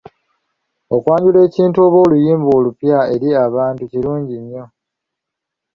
Okwanjula ekintu oba oluyimba olupya eri abantu kirungi nnyo.